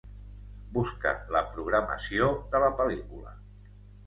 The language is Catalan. Busca la programació de la pel·lícula.